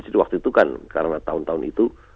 jadi waktu itu kan karena tahun tahun itu